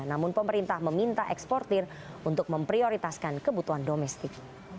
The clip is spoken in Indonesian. namun pemerintah meminta eksportir untuk memprioritaskan kebutuhan domestik